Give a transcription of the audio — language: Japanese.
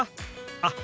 あっ